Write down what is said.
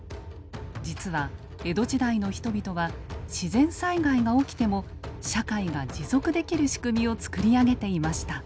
実は江戸時代の人々は自然災害が起きても社会が持続できる仕組みを作り上げていました。